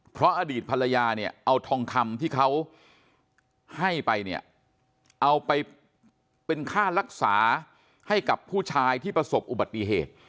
เพราะอดีตภรรยาเนี่ยเอาทองคำที่เขาให้ไปเนี่ยเอาไปเป็นค่ารักษาให้กับผู้ชายที่ประสบอุบัติเหตุ